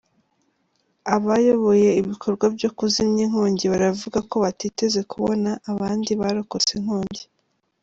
Abayoboye ibikorwa byo kuzimya inkongi baravuga ko batiteze kubona abandi barokotse inkongi.